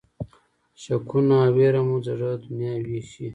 شکونه او وېره مو د زړه دنیا وېشي.